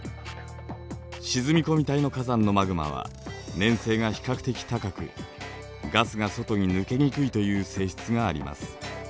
沈み込み帯の火山のマグマは粘性が比較的高くガスが外に抜けにくいという性質があります。